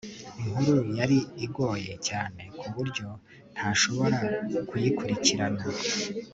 Inkuru yari igoye cyane kuburyo ntashobora kuyikurikirana